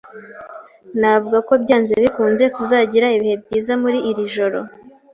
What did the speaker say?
Navuga ko byanze bikunze tuzagira ibihe byiza muri iri joro.